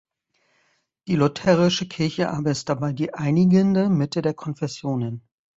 Die lutherische Kirche aber ist dabei die einigende „Mitte der Konfessionen“.